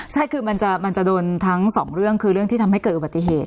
ใช่คือมันจะโดนทั้งสองเรื่องคือเรื่องที่ทำให้เกิดอุบัติเหตุ